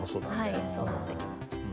はいそうなってきます。